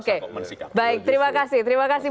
oke baik terima kasih terima kasih